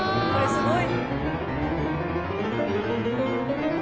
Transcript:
すごい。